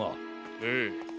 ええ。